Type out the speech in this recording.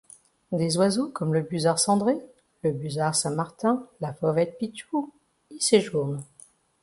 Des oiseaux comme le busard cendré, le busard Saint-Martin, la fauvette pitchou, y séjournent.